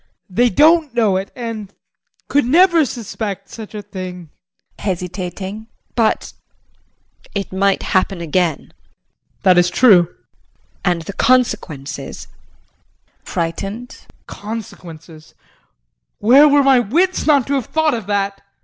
They don't know it and could never suspect such a thing. JULIE [Hesitating]. But it might happen again. JEAN. That is true. JULIE. And the consequences? JEAN [Frightened]. Consequences where were my wits not to have thought of that!